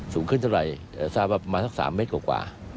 สูงขึ้นเท่าไหร่ประมาณสัก๓เมตรกว่า